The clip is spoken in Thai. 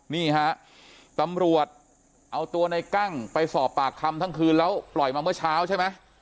นี่ฮะตำรวจเอาตัวในกั้งไปสอบปากคำทั้งคืนแล้วปล่อยมาเมื่อเช้าใช่ไหม